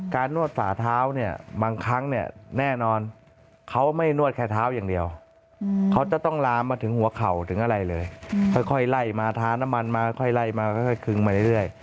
นวดฝ่าเท้าเนี่ยบางครั้งเนี่ยแน่นอนเขาไม่นวดแค่เท้าอย่างเดียวเขาจะต้องลามมาถึงหัวเข่าถึงอะไรเลยค่อยไล่มาทาน้ำมันมาค่อยไล่มาค่อยคึงมาเรื่อย